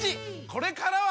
これからは！